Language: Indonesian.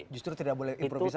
justru tidak boleh improvisasi